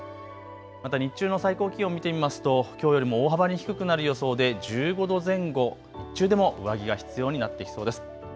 また日中の最高気温見てみますときょうよりも大幅に低くなる予想で１５度前後、日中でも上着が必要になってきそうです。